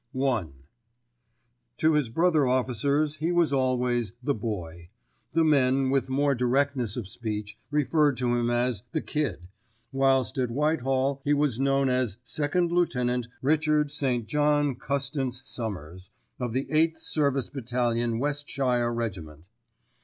*I* To his brother officers he was always "The Boy." The men, with more directness of speech, referred to him as "The Kid," whilst at Whitehall he was known as Second Lieut. Richard St. John Custance Summers, of the 8th Service Battalion Westshire Regiment.